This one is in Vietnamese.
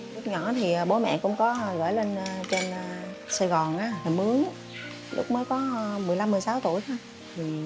lúc nhỏ thì bố mẹ cũng có gửi lên trên sài gòn mướn lúc mới có một mươi năm một mươi sáu tuổi thôi